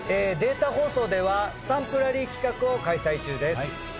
データ放送ではスタンプラリー企画を開催中です。